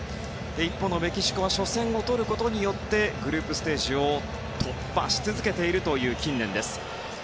一方のメキシコは初戦を取ることによってグループステージを突破し続けている近年です。